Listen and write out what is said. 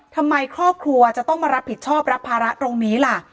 ทำไมครอบครัวจะต้องมารับผิดชอบรับภาระตรงนี้ล่ะ